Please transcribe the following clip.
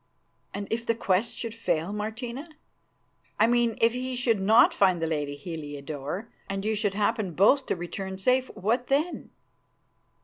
"And if the quest should fail, Martina? I mean if he should not find the lady Heliodore and you should happen both to return safe, what then?"